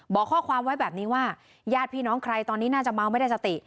บอกข้อความไว้แบบนี้ว่าญาติพี่น้องใครตอนนี้น่าจะเมาไม่ได้สติ